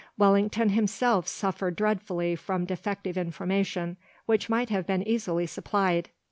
Wellington himself suffered dreadfully from defective information which might have been easily supplied.